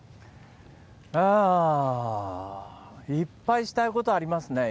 いっぱいしたいことありますね。